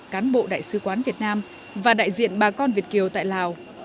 cán bộ đại sứ quán việt nam và đại diện bà con việt kiều tại lào